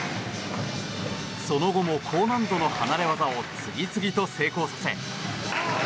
その後も高難度の離れ技を次々と成功させ。